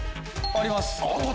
あります。